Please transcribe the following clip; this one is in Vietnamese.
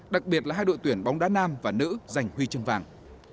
đặc biệt là hai đội tuyển bóng đá nam và nữ giành huy chương vàng